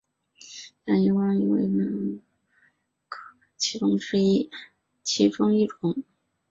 象烛光鱼为辐鳍鱼纲巨口鱼目褶胸鱼科的其中一种。